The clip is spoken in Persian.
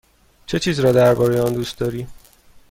چه چیز را درباره آن دوست داری؟